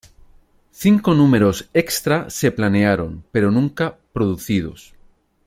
Cinco números extras se planearon, pero nunca producidos.